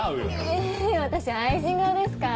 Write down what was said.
え私愛人顔ですか？